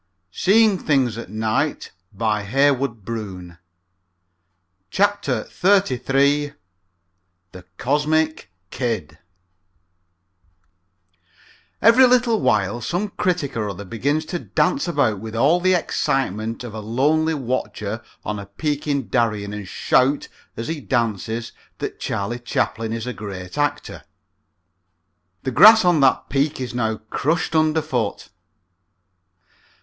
The show can go on only most imperfectly without him. The Cosmic "Kid" Every little while some critic or other begins to dance about with all the excitement of a lonely watcher on a peak in Darien and to shout, as he dances, that Charlie Chaplin is a great actor. The grass on that peak is now crushed under foot.